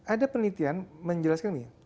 ada penelitian menjelaskan ini